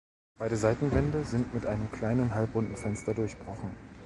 Beide Seitenwände sind mit einem kleinen halbrunden Fenster durchbrochen.